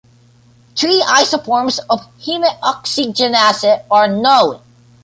Three isoforms of heme oxygenase are known.